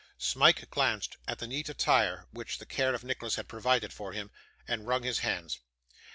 Smike glanced at the neat attire which the care of Nicholas had provided for him; and wrung his hands.